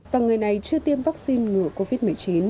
và người này chưa tiêm vaccine ngừa covid một mươi chín